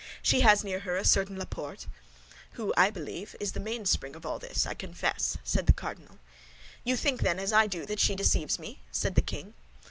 She has near her a certain Laporte." "Who, I believe, is the mainspring of all this, I confess," said the cardinal. "You think then, as I do, that she deceives me?" said the king.